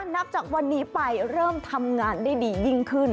นับจากวันนี้ไปเริ่มทำงานได้ดียิ่งขึ้น